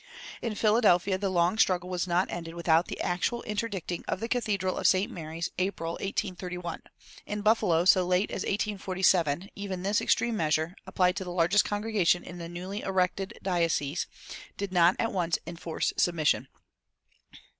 In Philadelphia the long struggle was not ended without the actual interdicting of the cathedral of St. Mary's, April, 1831. In Buffalo, so late as 1847, even this extreme measure, applied to the largest congregation in the newly erected diocese, did not at once enforce submission.